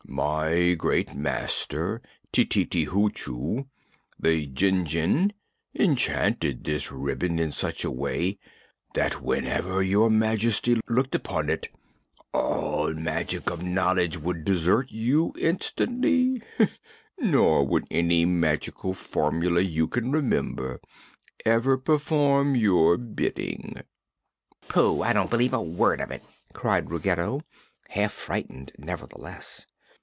"My great master, Tititi Hoochoo, the Jinjin, enchanted this ribbon in such a way that whenever Your Majesty looked upon it all knowledge of magic would desert you instantly, nor will any magical formula you can remember ever perform your bidding." "Pooh! I don't believe a word of it!" cried Ruggedo, half frightened, nevertheless.